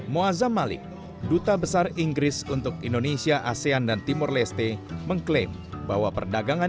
muazzam malik duta besar inggris untuk indonesia asean dan timur leste mengklaim bahwa perdagangan